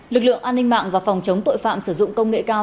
lực lượng an ninh mạng và phòng chống tội phạm sử dụng công nghệ cơ sở